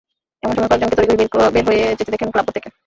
এমন সময় কয়েকজনকে তড়িঘড়ি করে বের হয়ে যেতে দেখেন ক্লাবঘর থেকে।